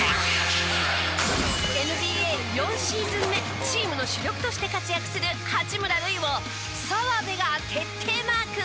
ＮＢＡ４シーズン目チームの主力として活躍する八村塁を澤部が徹底マーク。